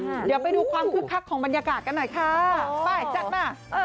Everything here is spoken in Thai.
เดี๋ยวไปดูความคึกคักของบรรยากาศกันหน่อยค่ะไปจัดมาเออ